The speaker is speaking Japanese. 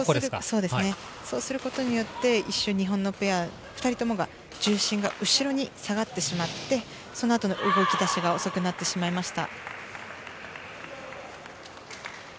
そうすることによって一瞬、日本のペア２人ともが重心が後ろに下がってしまって、そのあとの動き出しが遅くなってしまいました。